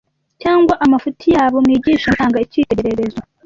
cyangwa amafuti yabo. Mwigishe mutanga icyitegererezo.